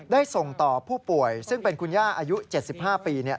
ได้ส่งต่อผู้ป่วยซึ่งเป็นคุณย่าอายุ๗๕ปี